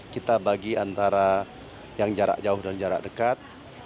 kita bagi antara yang jarak jauh dan jarak dekat